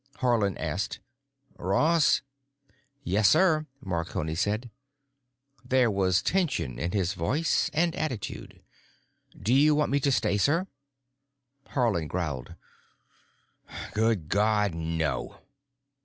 Haarland asked: "Ross?" "Yes, sir," Marconi said. There was tension in his voice and attitude. "Do you want me to stay, sir?" Haarland growled: "Good God, no.